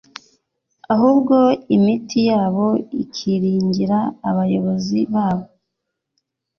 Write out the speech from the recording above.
Ahubwo imitima yabo ikiringira abayobozi babo.